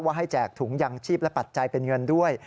ให้แจกถุงยางชีพและปัจจัยเป็นเงินด้วย